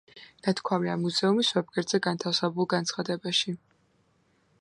ნათქვამია მუზეუმის ვებგვერდზე განთავსებულ განცხადებაში.